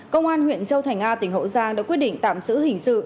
công an huyện châu thành a tỉnh hậu giang đã quyết định tạm giữ hình sự